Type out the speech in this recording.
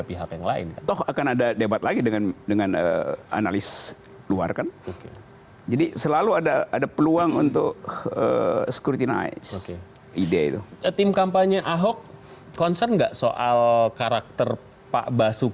belima kasih sekali bu mau k caresori ya